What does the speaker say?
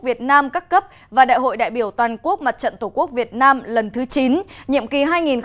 việt nam các cấp và đại hội đại biểu toàn quốc mặt trận tổ quốc việt nam lần thứ chín nhiệm kỳ hai nghìn một mươi chín hai nghìn hai mươi bốn